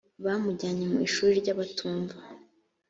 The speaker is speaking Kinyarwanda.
bamujyanye mu ishuri ry abatumva